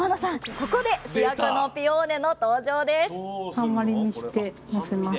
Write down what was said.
ここで主役のピオーネの登場です！